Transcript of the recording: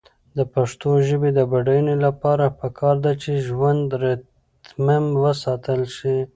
د پښتو ژبې د بډاینې لپاره پکار ده چې ژوندی ریتم وساتل شي.